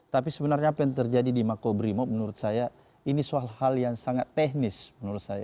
tapi sebenarnya apa yang terjadi di makobrimob menurut saya ini soal hal yang sangat teknis menurut saya